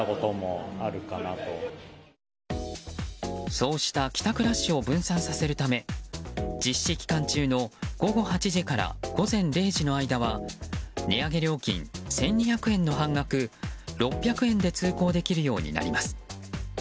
そうした帰宅ラッシュを分散させるため実施期間中の午後８時から午前０時の間は値上げ料金１２００円の半額６００円で通行できるようになります。